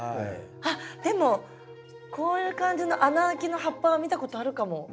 あっでもこういう感じの穴開きの葉っぱは見たことあるかも。